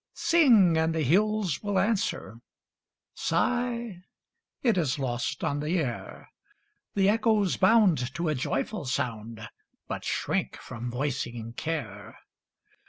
Sing, and the hills will answer; Sigh, it is lost on the air; The echoes bound to a joyful sound, But shrink from voicing care.